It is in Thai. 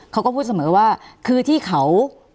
เขาก็พูดเสมอว่าคือที่เขา